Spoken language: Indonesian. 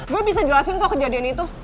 gue bisa jelasin kok kejadian itu